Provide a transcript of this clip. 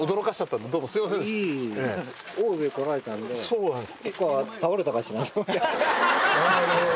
そうなんです。